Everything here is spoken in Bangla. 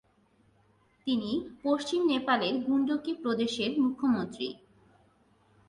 তিনি পশ্চিম নেপালের গণ্ডকী প্রদেশের মুখ্যমন্ত্রী।